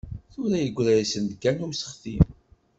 Tura yeggra-asen-d kan useɣti.